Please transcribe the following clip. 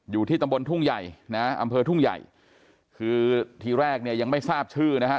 อยู่ที่ตำบลทุ่งใหญ่นะอำเภอทุ่งใหญ่คือทีแรกเนี่ยยังไม่ทราบชื่อนะฮะ